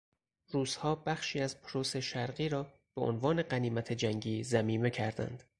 روسهابخشی از پروس شرقی را به عنوان غنیمت جنگی ضمیمه کردند.